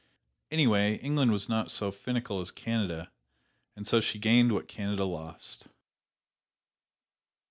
Anyway, England was not so finical as Canada, and so she gained what Canada lost.